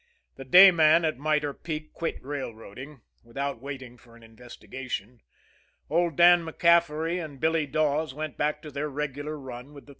The day man at Mitre Peak quit railroading without waiting for an investigation. Old Dan MacCaffery and Billy Dawes went back to their regular run with the 304.